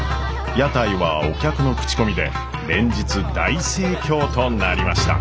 屋台はお客の口コミで連日大盛況となりました。